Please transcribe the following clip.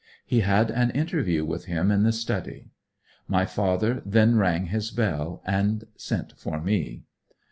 He had an interview with him in the study. My father then rang his bell, and sent for me.